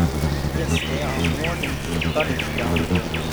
Yes, there are more than two bodies down there.